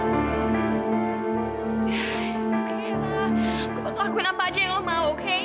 oke lah gue bakal lakuin apa aja yang lo mau oke